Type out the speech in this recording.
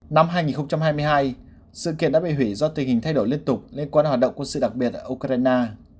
năm hai nghìn hai mươi hai sự kiện đã bị hủy do tình hình thay đổi liên tục liên quan hoạt động quân sự đặc biệt ở ukraine